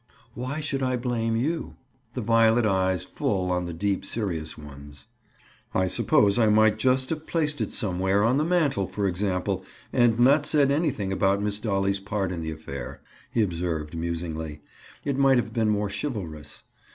"Why should I blame you?" The violet eyes full on the deep serious ones. "I suppose I might just have placed it somewhere, on the mantle, for example, and not said anything about Miss Dolly's part in the affair," he observed musingly. "It might have been more chivalrous.